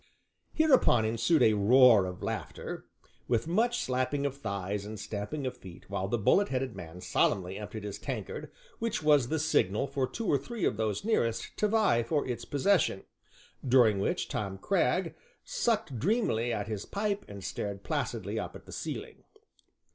Hereupon ensued a roar of laughter, with much slapping of thighs, and stamping of feet, while the bullet headed man solemnly emptied his tankard, which was the signal for two or three of those nearest to vie for its possession, during which Tom Cragg sucked dreamily at his pipe and stared placidly up at the ceiling.